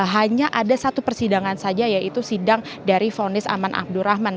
hanya ada satu persidangan saja yaitu sidang dari fonis aman abdurrahman